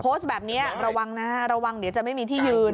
โพสต์แบบนี้ระวังนะระวังเดี๋ยวจะไม่มีที่ยืน